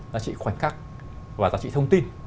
giá trị khoảnh khắc và giá trị thông tin